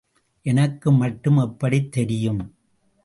எனக்கு மட்டும் எப்படித் தெரியும்?...